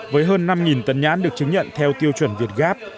với hơn năm tấn nhãn được chứng nhận theo tiêu chuẩn việt gáp